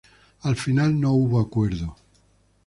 Al final no hubo acuerdo.